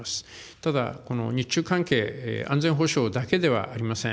ただ、この日中関係、安全保障だけではありません。